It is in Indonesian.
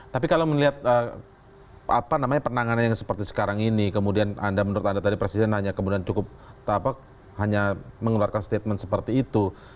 tapi kalau melihat penanganan yang seperti sekarang ini kemudian menurut anda tadi presiden hanya mengeluarkan statement seperti itu